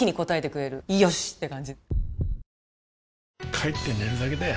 帰って寝るだけだよ